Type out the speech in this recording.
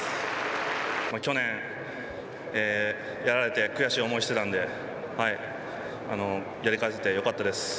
去年、やられて悔しい思いをしてたのでやり返せてよかったです。